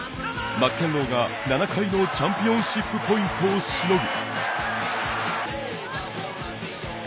マッケンローが、７回のチャンピオンシップポイントをしのぐ。